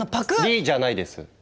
「リ」じゃないです！